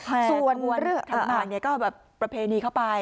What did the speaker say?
อากรชันต่างเนี่ยก็แบบประเพณีเข้าไป